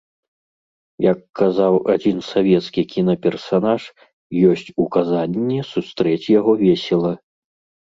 Як казаў адзін савецкі кінаперсанаж, ёсць указанне сустрэць яго весела.